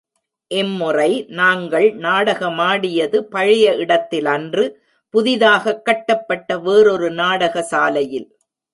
இம்முறை நாங்கள் நாடகமாடியது பழைய இடத்திலன்று புதிதாகக் கட்டப்பட்ட வேறொரு நாடக சாலையில்.